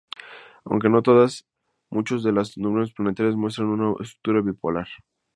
Aunque no todas, muchas de las nebulosas planetarias muestran una estructura bipolar.